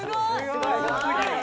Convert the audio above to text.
すごい！